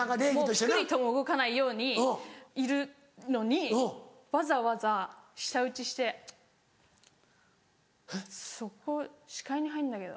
ぴくりとも動かないようにいるのにわざわざ舌打ちして「チッそこ視界に入んだけど」。